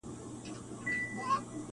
چنار دي ماته پېغور نه راکوي,